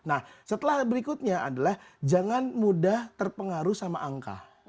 nah setelah berikutnya adalah jangan mudah terpengaruh sama angka